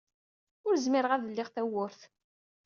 Ur zmireɣ ad d-lliɣ tawwurt.